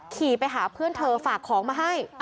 ขี่ไปหาเพื่อนเธอฝากของมาให้